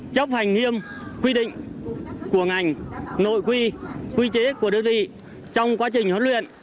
chấp hành nghiêm quy định của ngành nội quy quy chế của đơn vị trong quá trình huấn luyện